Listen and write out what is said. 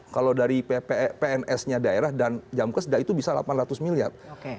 kalau dari pns nya daerah dan jamkesda itu bisa delapan ratus miliar